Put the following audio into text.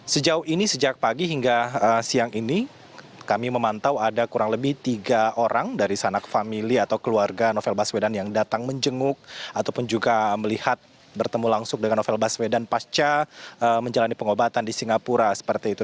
sejauh ini sejak pagi hingga siang ini kami memantau ada kurang lebih tiga orang dari sanak famili atau keluarga novel baswedan yang datang menjenguk ataupun juga melihat bertemu langsung dengan novel baswedan pasca menjalani pengobatan di singapura seperti itu